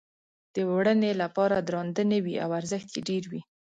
د وړنې لپاره درانده نه وي او ارزښت یې ډېر وي.